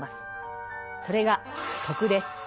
それが「徳」です。